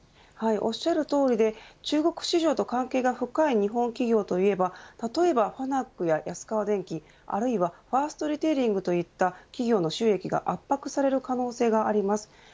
おっしゃるとおりで中国市場と関係が深い日本企業といえば例えばファナックや安川電機あるいはファーストリテイリングといった企業の収益が圧迫される可能性があります。